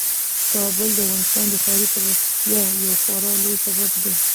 کابل د افغانستان د ښاري پراختیا یو خورا لوی سبب دی.